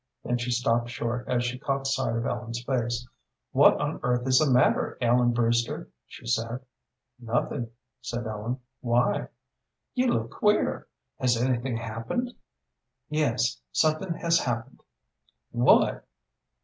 Then she stopped short as she caught sight of Ellen's face. "What on earth is the matter, Ellen Brewster?" she said. "Nothing," said Ellen. "Why?" "You look queer. Has anything happened?" "Yes, something has happened." "What?"